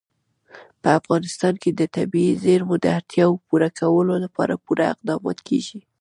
په افغانستان کې د طبیعي زیرمو د اړتیاوو پوره کولو لپاره پوره اقدامات کېږي.